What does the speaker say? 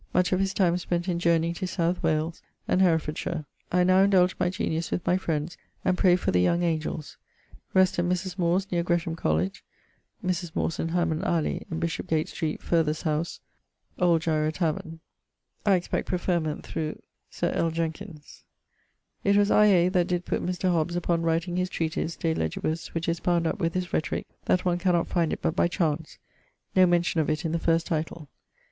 Much of his time spent in journeying to South Wales (entaile) and Hereff. I now indulge my genius with my friends and pray for the young angels. Rest at Mris More's neer Gresham College (Mrs More's in Hammond Alley in Bishopgate Street farthest house☍ old Jairer (?) taverne). expect preferment Sir Ll. Jenkins. It was I. A. that did putt Mr. Hobbes upon writing his treatise De Legibus, which is bound up with his Rhetorique that one cannot find it but by chance; no mention of it in the first title.